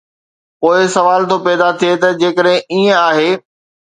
پوءِ سوال ٿو پيدا ٿئي ته جيڪڏهن ائين آهي.